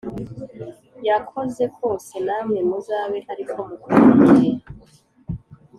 yakoze kose namwe muzabe ari ko mukora igihe